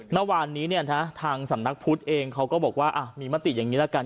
เมื่อวานนี้เนี่ยนะทางสำนักพุทธเองเขาก็บอกว่ามีมติอย่างนี้ละกัน